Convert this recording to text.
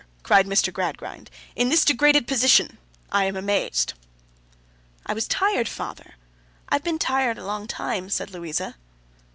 cried Mr. Gradgrind. 'In this degraded position! I am amazed.' 'I was tired, father. I have been tired a long time,' said Louisa.